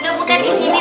udah buka disini